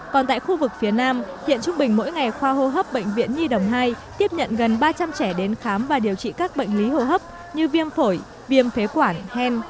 còn tại khu vực phía nam hiện trung bình mỗi ngày khoa hô hấp bệnh viện nhi đồng hai tiếp nhận gần ba trăm linh trẻ đến khám và điều trị các bệnh lý hô hấp như viêm phổi viêm phế quản hen